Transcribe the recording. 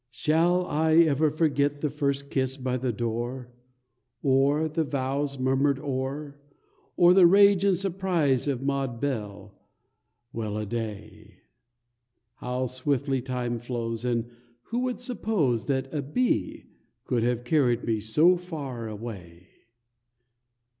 Shall I ever forget the first kiss by the door, Or the vows murmured o'er, Or the rage and surprise of Maud Belle? Well a day, How swiftly time flows, And who would suppose That a bee could have carried me so far away.